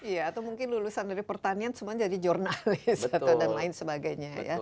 iya atau mungkin lulusan dari pertanian semua jadi jurnalis atau dan lain sebagainya ya